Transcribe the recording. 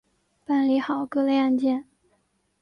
办理好各类案件